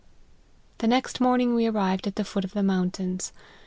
" The next morning we arrived at the foot of the mountains.